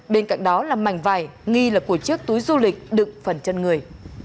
bên cạnh đó là mảnh vải nghi là của chiếc túi du lịch đựng phần chân người